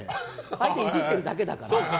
相手をイジってるだけだから。